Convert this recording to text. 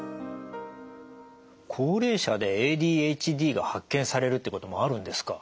高齢者でＡＤＨＤが発見されるっていうこともあるんですか？